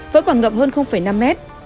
vẫn còn ngập hơn năm mét